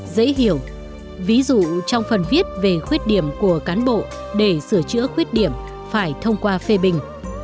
dễ hiểu ví dụ trong phần viết về khuyết điểm của cán bộ để sửa chữa khuyết điểm phải thông qua phê bình